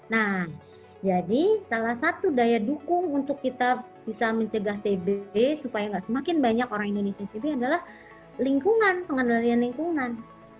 nah jadi salah satu daya dukung untuk kita bisa mencegah tb supaya nggak semakin banyak orang indonesia tv adalah lingkungan pengendalian lingkungan